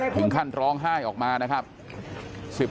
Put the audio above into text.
ถึงขั้นร้องไห้ออกมานะครับ